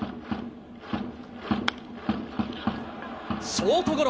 ショートゴロ。